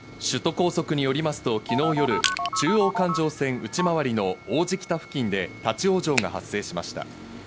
首都高速によりますと、昨日夜、中央環状線内回りの王子北付近で立ち往生が発生しました。